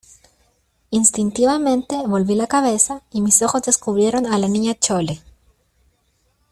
instintivamente volví la cabeza, y mis ojos descubrieron a la Niña Chole.